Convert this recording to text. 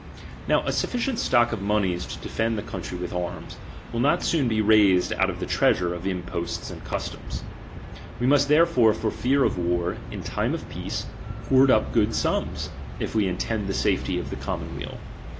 ''' Now a sufficient stock of monies to defend the country with arms, will not soon be raised out of the treasure of imposts and customs. We must therefore, for fear of war, in time of peace hoard up good sums, if we intend the safety of the com monweal.